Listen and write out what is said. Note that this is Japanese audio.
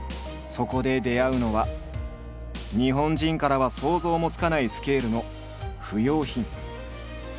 そこで出会うのは日本人からは想像もつかないスケールの不用品。